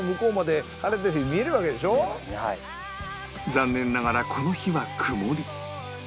残念ながらこの日は曇り